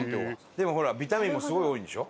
でもほらビタミンもすごい多いんでしょ？